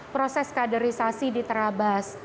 proses kadarisasi diterabas